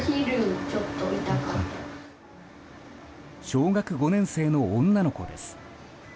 小学５年生の女の子です。